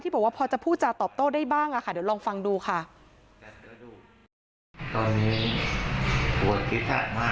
บอกว่าพอจะพูดจาตอบโต้ได้บ้างค่ะเดี๋ยวลองฟังดูค่ะ